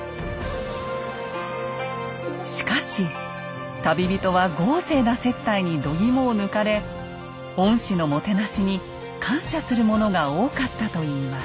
しかし旅人は豪勢な接待にどぎもを抜かれ御師のもてなしに感謝する者が多かったといいます。